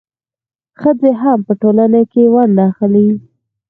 ښځې هم په ټولنه کې ونډه اخلي.